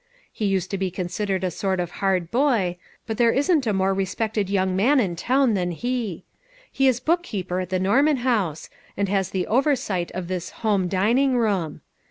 He used to be considered a sort of hard boy, but there isn't a more re spected young man in town than he. He is book keeper at the Norman House, and has the oversight of this Home Dining Room.